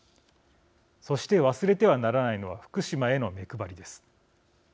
そして忘れてはならないのは福島への目配りです。